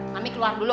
mami keluar dulu